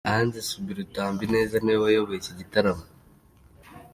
Ange Soubirous Tambineza niwe wayoboye iki gitaramo.